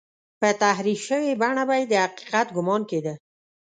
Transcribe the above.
پر تحریف شوې بڼه به یې د حقیقت ګومان کېده.